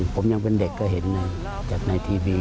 ผมยังเป็นเด็กก็เห็นจากในทีวี